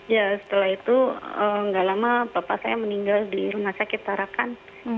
ya setelah itu nggak lama bapak saya meninggal di rumah sakit tarakan